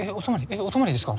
えっお泊まりですか？